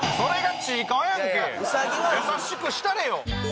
優しくしたれよ！